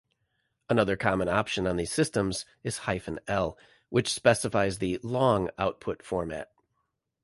Another common option on these systems is -l, which specifies the "long" output format.